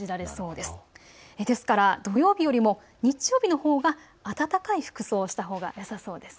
ですから土曜日よりも日曜日のほうが暖かい服装をしたほうがよさそうです。